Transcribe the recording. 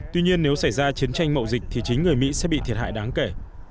tuy nhiên nếu xảy ra chiến tranh mậu dịch thì chính người mỹ sẽ bị thiệt hại đáng kể